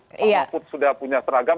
pak luhut sudah punya seragam